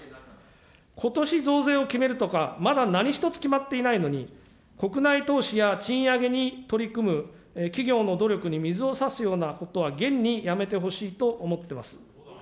ことし増税を決めるとか、まだ何一つ決まっていないのに、国内投資や賃上げに取り組む企業の努力に水をさすようなことはげんにやめてほしいと思ってます。